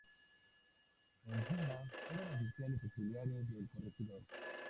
En suma, eran oficiales auxiliares del Corregidor.